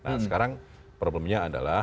nah sekarang problemnya adalah